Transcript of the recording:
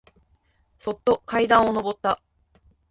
そっと階段をのぼった。